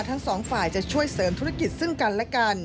ทั้งสองฝ่ายจะช่วยเสริมธุรกิจซึ่งกันและกัน